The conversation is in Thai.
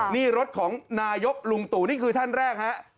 นี่รถของนายกลุงตู่นี่คือท่านแรกฮะ